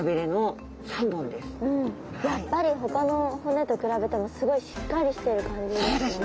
やっぱりほかの骨と比べてもすごいしっかりしてる感じですね。